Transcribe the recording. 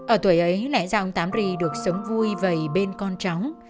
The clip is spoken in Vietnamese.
ở tuổi ấy lẽ ra ông tám ri được sống vui vầy bên con tróng